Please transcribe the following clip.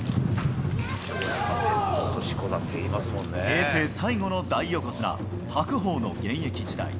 平成最後の大横綱・白鵬の現役時代。